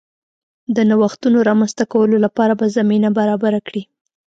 د نوښتونو رامنځته کولو لپاره به زمینه برابره کړي